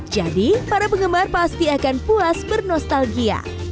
jadi para penggemar pasti akan puas bernostalgia